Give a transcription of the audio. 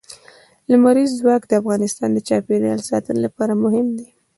لمریز ځواک د افغانستان د چاپیریال ساتنې لپاره مهم دي.